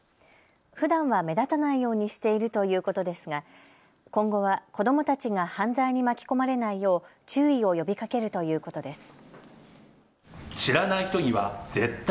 ふだんは目立たないようにしているということですが今後は子どもたちが犯罪に巻き込まれないよう注意を呼びかけるということです。